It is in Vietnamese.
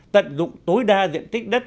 tận dụng tối đa diện tích đất